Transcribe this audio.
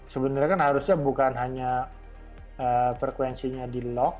sebenarnya kan harusnya bukan hanya frekuensinya di lock